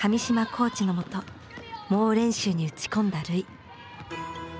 コーチのもと猛練習に打ち込んだ瑠唯。